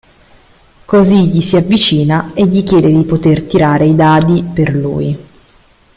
Così gli si avvicina e gli chiede di poter tirare i dadi per lui.